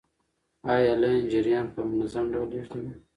آیا لین جریان په منظم ډول لیږدوي؟